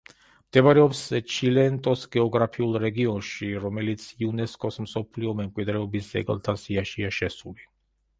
მდებარეობს ჩილენტოს გეოგრაფიულ რეგიონში, რომელიც იუნესკოს მსოფლიო მემკვიდრეობის ძეგლთა სიაშია შესული.